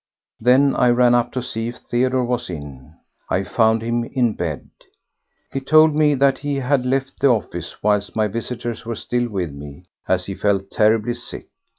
Then I ran up to see if Theodore was in. I found him in bed. He told me that he had left the office whilst my visitors were still with me, as he felt terribly sick.